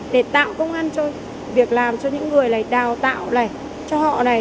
để tạo công an cho những người này đào tạo cho họ này